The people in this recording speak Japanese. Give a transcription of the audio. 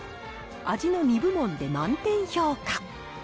味の２部門で満点評価。